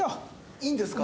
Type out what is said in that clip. いいんですか？